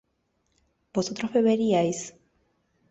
¿vosotros beberíais?